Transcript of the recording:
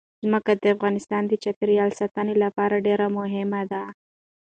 ځمکه د افغانستان د چاپیریال ساتنې لپاره ډېر مهم دي.